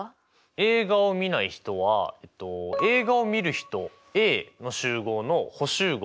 映画をみない人は映画をみる人Ａの集合の補集合